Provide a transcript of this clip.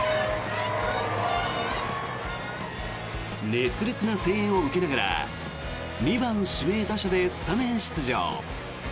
熱烈な声援を受けながら２番指名打者でスタメン出場。